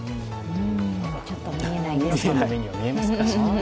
ちょっと見えないです。